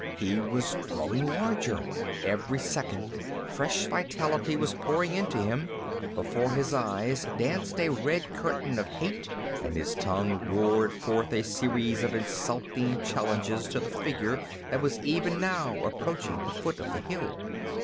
He was growing larger; every second fresh vitality was pouring into him. Before his eyes danced a red curtain of hate and his tongue roared forth a series of insulting challenges to the figure that was even now approaching the foot of the hill.